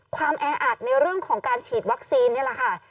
แออัดในเรื่องของการฉีดวัคซีนนี่แหละค่ะ